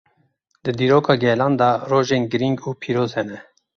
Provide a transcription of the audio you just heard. Di dîroka gelan de rojên giring û pîroz hene.